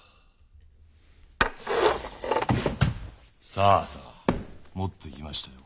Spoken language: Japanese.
さあさあ持ってきましたよ。